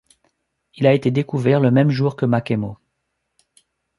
Il a été découvert le même jour que Makemo.